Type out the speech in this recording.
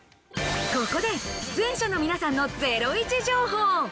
ここで出演者の皆さんのゼロイチ情報。